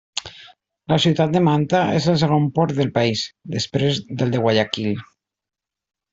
La ciutat de Manta és el segon port del país, després del de Guayaquil.